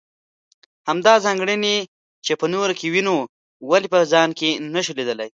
همدا ځانګړنې چې په نورو کې وينو ولې په خپل ځان کې نشو ليدلی.